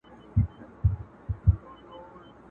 بازاري ویل راځه چي ځو ترکوره.!